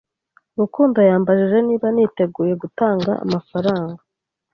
Rukundo yambajije niba niteguye gutanga amafaranga.